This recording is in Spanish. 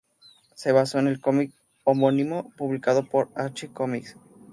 Se basó en el cómic homónimo publicado por Archie Comics.